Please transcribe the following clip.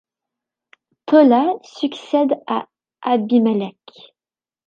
Thola succède à Abimelech.